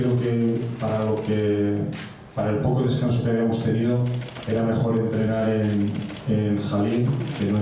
lebih baik untuk beristirahat di jalil daripada di sini